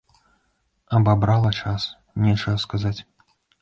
Абабрала час, нечага сказаць.